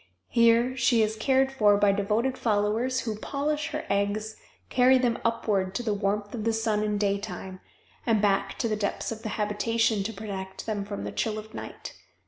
Here she is cared for by devoted followers who polish her eggs, carry them upward to the warmth of the sun in daytime, and back to the depths of the habitation to protect them from the chill of night.